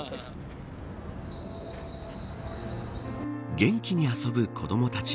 元気に遊ぶ子どもたち。